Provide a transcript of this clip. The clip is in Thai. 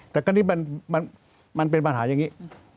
แต่ก็นี่มันเป็นปัญหาอย่างนี้